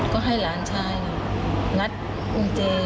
ก็ให้หลานชายนี่งัดอุ้งเจ